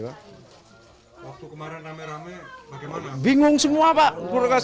bingung semua bang